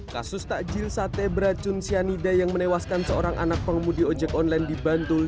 kasus takjil sate beracun cyanida yang menewaskan seorang anak pengemudi ojek online di bantul